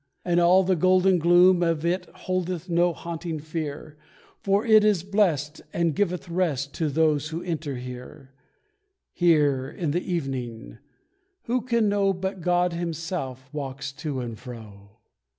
And all the golden gloom of it holdeth no haunting fear, For it is blessed, and giveth rest To those who enter here Here in the evening who can know But God Himself walks to and fro!